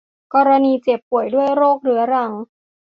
กรณีเจ็บป่วยด้วยโรคเรื้อรัง